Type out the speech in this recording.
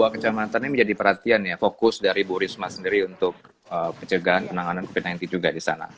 dua kecamatan ini menjadi perhatian ya fokus dari bu risma sendiri untuk pencegahan penanganan covid sembilan belas juga di sana